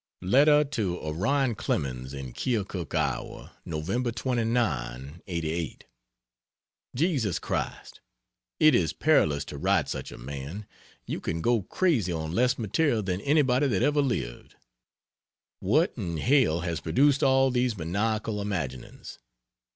Letter to Orion Clemens, in Keokuk, Iowa: NOV. 29, '88. Jesus Christ! It is perilous to write such a man. You can go crazy on less material than anybody that ever lived. What in hell has produced all these maniacal imaginings?